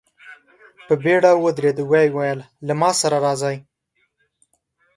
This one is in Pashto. په بېړه ودرېد، ويې ويل: له ما سره راځئ!